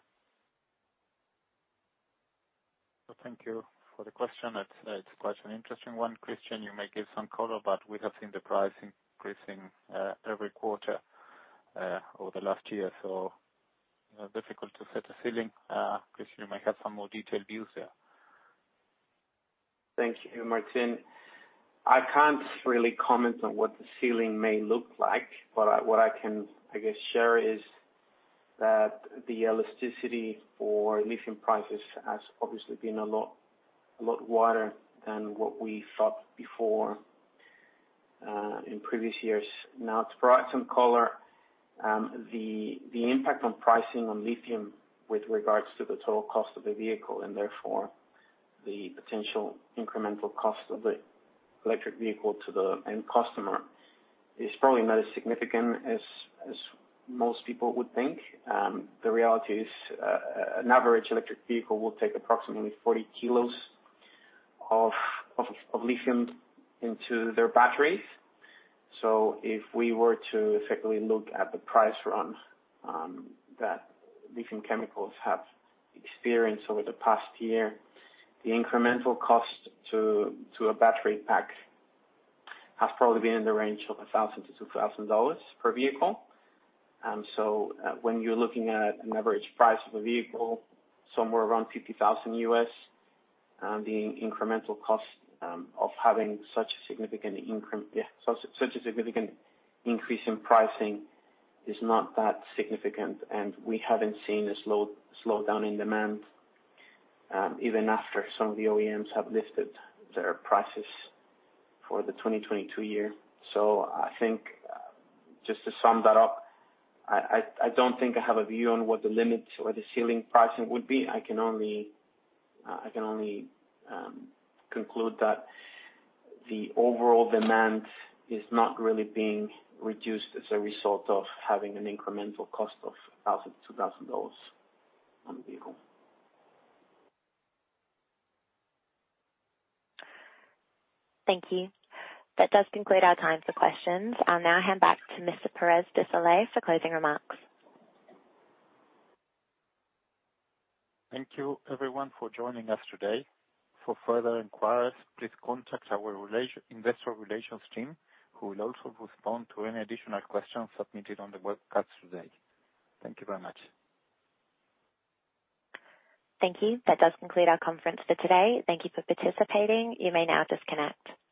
Thank you for the question. It's quite an interesting one. Christian, you may give some color, but we have seen the pricing increasing every quarter over the last year, so difficult to set a ceiling. Christian, you might have some more detailed views there. Thank you, Martín. I can't really comment on what the ceiling may look like, but what I can, I guess, share is that the elasticity for lithium prices has obviously been a lot wider than what we thought before in previous years. Now to provide some color, the impact on pricing on lithium with regards to the total cost of the vehicle, and therefore the potential incremental cost of the electric vehicle to the end customer, is probably not as significant as most people would think. The reality is, an average electric vehicle will take approximately 40 kg of lithium into their batteries. If we were to effectively look at the price run that lithium chemicals have experienced over the past year, the incremental cost to a battery pack has probably been in the range of $1,000-$2,000 per vehicle. When you're looking at an average price of a vehicle, somewhere around $50,000, the incremental cost of having such a significant increase in pricing is not that significant. We haven't seen a slowdown in demand, even after some of the OEMs have listed their prices for the 2022 year. I think just to sum that up, I don't think I have a view on what the limits or the ceiling pricing would be. I can only conclude that the overall demand is not really being reduced as a result of having an incremental cost of $1,000-$2,000 on a vehicle. Thank you. That does conclude our time for questions. I'll now hand back to Mr. Pérez de Solay for closing remarks. Thank you everyone for joining us today. For further inquiries, please contact our investor relations team, who will also respond to any additional questions submitted on the webcast today. Thank you very much. Thank you. That does conclude our conference for today. Thank you for participating. You may now disconnect.